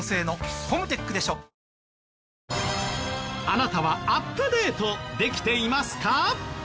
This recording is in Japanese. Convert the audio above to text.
あなたはアップデートできていますか？